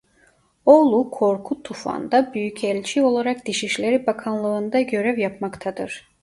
Oğlu Korkut Tufan da büyükelçi olarak dışişleri bakanlığında görev yapmaktadır.